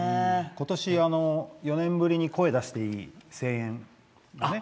今年、４年ぶりに声を出していい、声援ね。